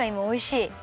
おいしい？